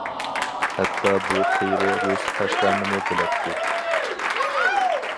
ھەتتا بۇ قېرى رۇس قەشقەرنىمۇ بىلەتتى.